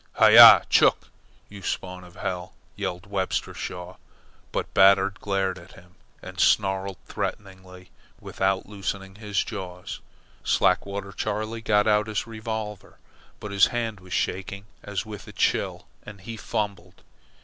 "Hi, ya! Chook! you Spawn of Hell!" yelled Webster Shaw. But Batard glared at him, and snarled threateningly, without loosing his jaws. Slackwater Charley got out his revolver, but his hand was shaking, as with a chill, and he fumbled.